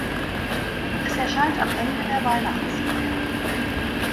Es erscheint am Ende der Weihnachtsfeier.